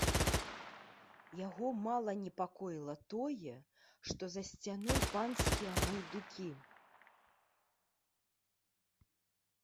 Яго мала непакоіла тое, што за сцяной панскія гайдукі.